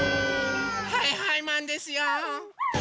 はいはいマンですよ！